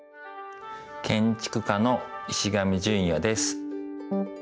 建築家の石上純也です。